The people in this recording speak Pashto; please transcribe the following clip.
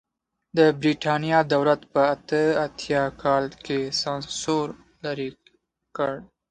د برېټانیا دولت په اته اتیا کال کې سانسور لرې کړ.